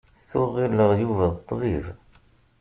Tuɣ ɣilleɣ Yuba d ṭṭbib.